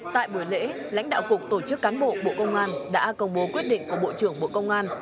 tại buổi lễ lãnh đạo cục tổ chức cán bộ bộ công an đã công bố quyết định của bộ trưởng bộ công an